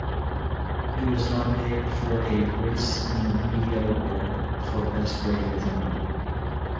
It was nominated for a "Race in the Media Award" for Best Radio Drama.